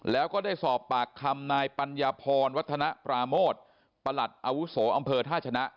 แล้วก็ได้สอบปากคำนายปัญญาพรวัฒนาปราโมทประหลัดอาวุโสอำเภอท่าชนะ